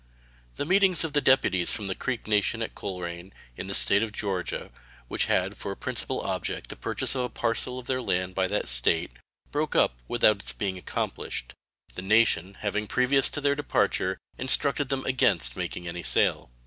The meeting of the deputies from the Creek Nation at Colerain, in the State of Georgia, which had for a principal object the purchase of a parcel of their land by that State, broke up without its being accomplished, the nation having previous to their departure instructed them against making any sale.